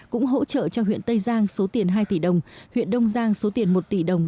cũng hỗ trợ cho huyện tây giang số tiền hai tỷ đồng huyện đông giang số tiền một tỷ đồng